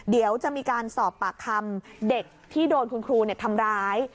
เดี๋ยวจะมีการสอบปากคำเด็กที่โดนคุณครูทำร้าย